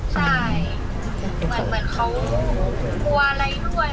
ใช่เหมือนเขากลัวอะไรด้วย